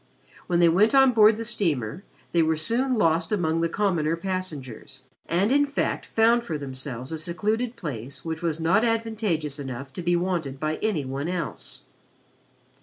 When they went on board the steamer, they were soon lost among the commoner passengers and in fact found for themselves a secluded place which was not advantageous enough to be wanted by any one else.